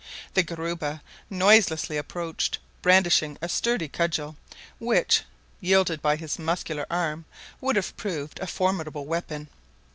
The guariba noiselessly approached, brandishing a study cudgel, which, wielded by his muscular arm, would have proved a formidable weapon.